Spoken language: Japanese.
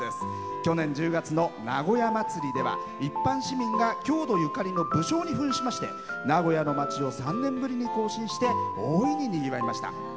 去年１０月の名古屋まつりでは一般市民が郷土ゆかりの武将にふんしまして名古屋の街を３年ぶりに行進して大いににぎわいました。